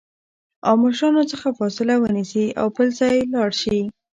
او مشرانو څخه فاصله ونیسي او بل ځای لاړ شي